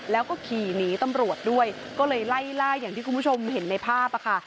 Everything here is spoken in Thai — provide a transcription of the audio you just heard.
แล้วก็ขี่หนีตำรวจด้วยก็เลยไล่ล่าอย่างที่คุณผู้ชมเห็นในภาพค่ะ